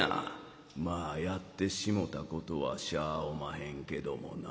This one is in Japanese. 「まあやってしもたことはしゃあおまへんけどもな。